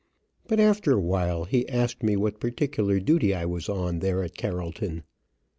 But after a while he asked me what particular duty I was on, there at Carrollton.